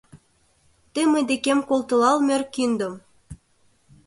Тый мый декем колтылал мӧр киндым.